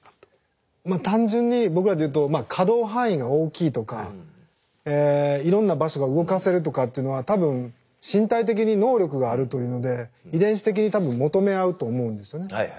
まあ単純に僕らでいうと可動範囲が大きいとかいろんな場所が動かせるとかってのは多分身体的に能力があるというので遺伝子的に多分求め合うと思うんですよね。